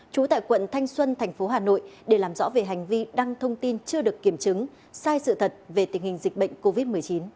trú tại quận thanh xuân thành phố hà nội để làm rõ về hành vi đăng thông tin chưa được kiểm chứng sai sự thật về tình hình dịch bệnh covid một mươi chín